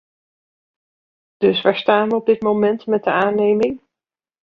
Dus waar staan we op dit moment met de aanneming?